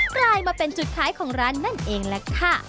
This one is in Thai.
กลายมาเป็นจุดคล้ายของร้านนั่นเองแหละค่ะ